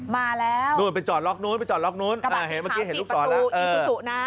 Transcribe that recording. มาแล้วไปจอดล็อกนู้นไปจอดล็อกนู้นอ่าเห็นเมื่อกี้เห็นลูกศรนะเออ